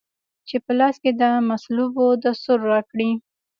چي په لاس کې د مصلوبو دستور راکړی